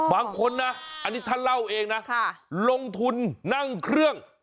บางคนนะอันนี้ท่านเล่าเองนะลงทุนนั่งเครื่อง